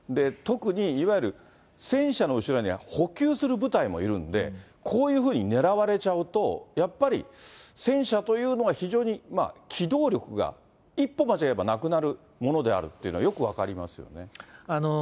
特にいわゆる戦車の後ろには補給する部隊もいるんで、こういうふうに狙われちゃうと、やっぱり戦車というのは、非常に機動力が、一歩間違えばなくなるものであるっていうのは、よく分かりますよね。